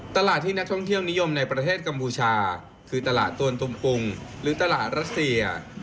ตลาดที่นักท่องเที่ยวนิยมในประเทศกัมพูชาคือตลาดตวนตุมปุงหรือตลาดรัสเซีย